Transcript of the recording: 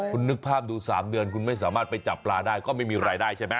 คุณนึกภาพดู๓เดือนคุณไม่สามารถไปจับปลาได้ก็ไม่มีรายได้ใช่ไหม